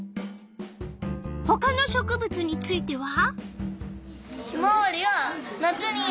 ほかの植物については？